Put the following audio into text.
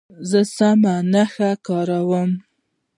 زه سمه نښه کاروم.